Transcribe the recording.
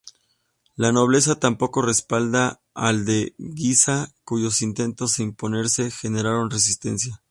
La nobleza tampoco respaldó al de Guisa, cuyos intentos de imponerse generaron resistencias.